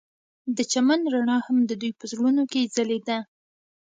د چمن رڼا هم د دوی په زړونو کې ځلېده.